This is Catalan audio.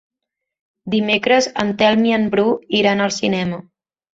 Dimecres en Telm i en Bru iran al cinema.